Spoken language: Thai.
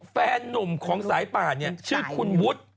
แฟนนุ่มของสายป่าเนี่ยชื่อคุณวุฒิ